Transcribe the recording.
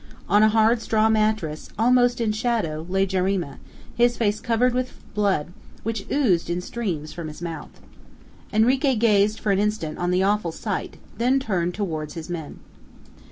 On a hard straw mattress, almost in shadow, lay Jarima, his face covered with blood, which oozed in streams from his mouth. Henrique gazed for an instant on the awful sight, then turned towards his men.